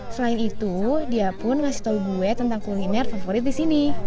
selain itu dia pun ngasih tahu gue tentang kuliner favorit di sini